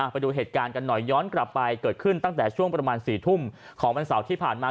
ไปดูเหตุการณ์กันหน่อยย้อนกลับไปเกิดขึ้นตั้งแต่ช่วงประมาณ๔ทุ่มของวันเสาร์ที่ผ่านมา